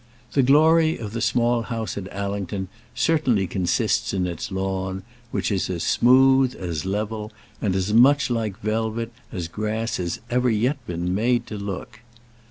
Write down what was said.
The glory of the Small House at Allington certainly consists in its lawn, which is as smooth, as level, and as much like velvet as grass has ever yet been made to look.